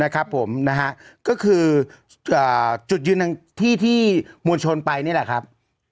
ก็คือจุดยืนหนึ่งที่ที่มวลชนไปนี่แหละครับ